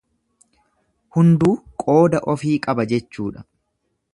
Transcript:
Hunduu qooda ofii qaba jechuudha.